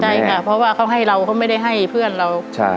ใช่ค่ะเพราะว่าเขาให้เราเขาไม่ได้ให้เพื่อนเรา